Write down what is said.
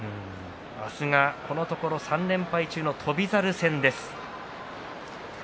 明日がこのところ３連敗中の翔猿戦です。